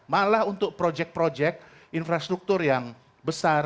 malah untuk proyek proyek infrastruktur yang besar